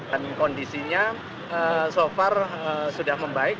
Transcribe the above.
kondisinya so far sudah membaik